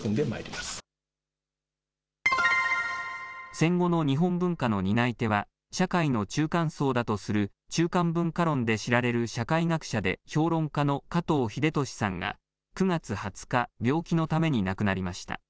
戦後の日本文化の担い手は社会の中間層だとする中間文化論で知られる社会学者で評論家の加藤秀俊さんが９月２０日、病気のために亡くなりました。